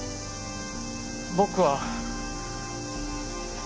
僕は。